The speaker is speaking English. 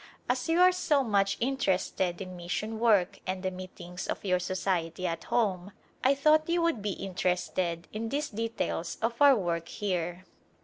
As you are so much interested in mission work and the meet ings of your Society at home I thought you would be interested in these details of our work here.